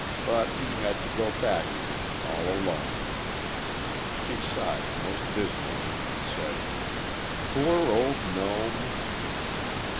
But he had to go back again, all alone." She sighed most dismally and said: "Poor, old gnome."